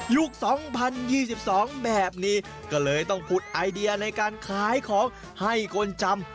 ลูก๒๐๒๒แบบนี้ก็เลยต้องผุดไอเดียในการขายของให้คนจำ